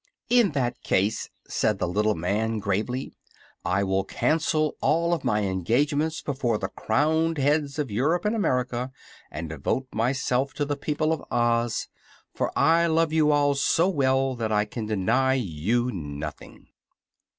"In that case," said the little man, gravely, "I will cancel all of my engagements before the crowned heads of Europe and America and devote myself to the people of Oz, for I love you all so well that I can deny you nothing."